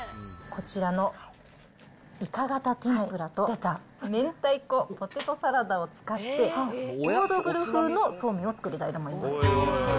こちらのいか形てんぷらと、明太子ポテトサラダを使って、オードブル風のそうめんを作りたいと思います。